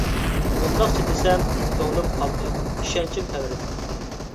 مۇنداقچە دېسەم، كۆڭلۈم قالدى، ئىشەنچىم تەۋرىدى.